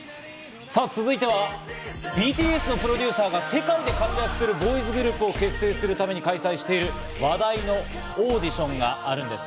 さぁ続いてはＢＴＳのプロデューサーが世界で活躍するボーイズグループを新たに結成するため開催している話題のオーディションがあるんです。